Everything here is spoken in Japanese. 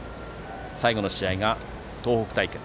最後の試合が東北対決。